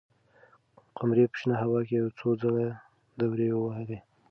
قمري په شنه هوا کې یو څو ځله دورې ووهلې.